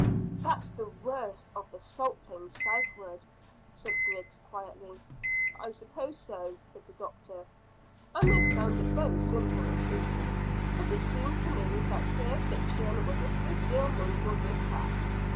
"That's the worst of the salt plains southward," said Griggs quietly. "I suppose so," said the doctor, "and this sounded very simple and truthful, but it seemed to me that here fiction was a good deal mingled with fact.